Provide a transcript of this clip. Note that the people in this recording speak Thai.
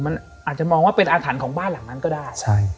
มันอาจจะมองว่าเป็นอาถรรพ์ของบ้านหลังนั้นก็ได้